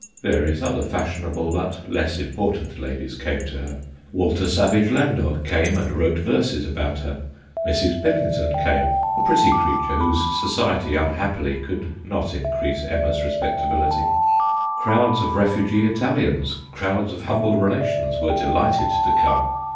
Various other fashionable but less important ladies came to her. Walter Savage Landor came and wrote verses about her. Mrs. Billington came a pretty creature whose society unhappily could not increase Emma's respectability. Crowds of refugee Italians, crowds of humble relations, were delighted to come.